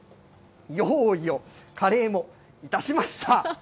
用意を、カレーもいたしました。